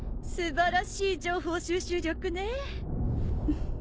素晴らしい情報収集力ね。